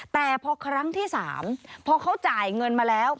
แต่พอครั้งที่๓พอเขาจ่ายเงินมาแล้ว